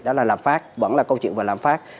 đó là lạm phát vẫn là câu chuyện về lạm phát